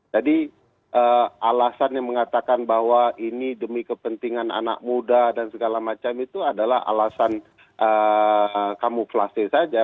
jadi alasan yang mengatakan bahwa ini demi kepentingan anak muda dan segala macam itu adalah alasan kamuflase saja